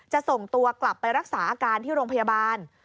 ส่งตัวกลับไปรักษาอาการที่โรงพยาบาล